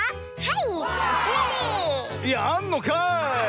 いやあんのかい！